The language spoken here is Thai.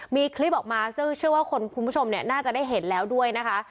มีคลิปออกมาซึ่งเชื่อว่าคนคุณผู้ชมน่าจะได้เห็นแล้วด้วยนะคะ